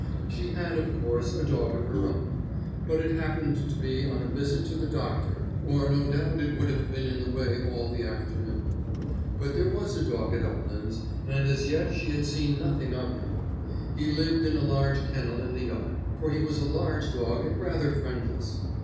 She had, of course, a dog of her own, but it happened to be on a visit to the doctor or no doubt it would have been in the way all the afternoon. But there was a dog at Uplands, and as yet she had seen nothing of him; he lived in a large kennel in the yard, for he was a large dog and rather friendless.